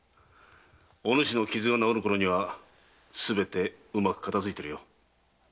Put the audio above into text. お主の傷が治るころにはすべてうまく片づいているよ。